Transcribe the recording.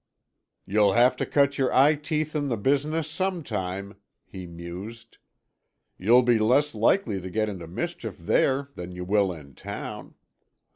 "You'll have to cut your eye teeth in the business sometime," he mused. "You'll be less likely to get into mischief there than you will in town.